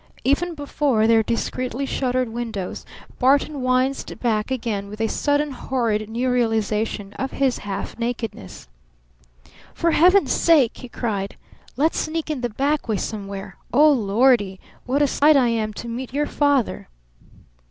Even before their discreetly shuttered windows Barton winced back again with a sudden horrid new realization of his half nakedness. "For Heaven's sake!" he cried, "let's sneak in the back way somewhere! Oh Lordy! what a sight I am to meet your father!"